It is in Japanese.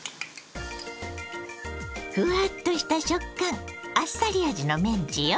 ふわっとした食感あっさり味のメンチよ。